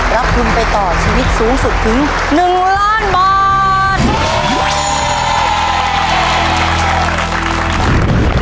รับทุนไปต่อชีวิตสูงสุดถึง๑ล้านบาท